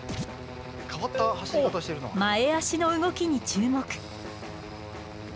前足の動きに注目。